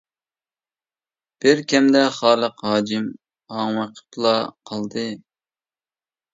بىر كەمدە خالىق ھاجىم ھاڭۋېقىپلا قالدى.